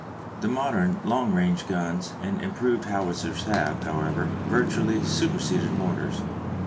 The modern long range guns and improved howitzers have, however, virtually superseded mortars.